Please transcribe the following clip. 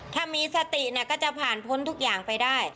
ถ้ามีสติก็จะผ่านพ้นทุกอย่างไปได้